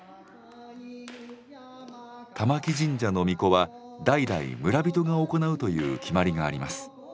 玉置神社の巫女は代々村人が行うという決まりがあります。